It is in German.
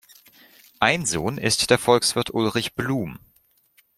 Ein Sohn ist der Volkswirt Ulrich Blum.